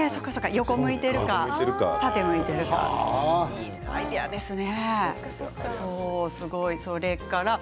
横向いているか縦向いているかいいアイデアですね。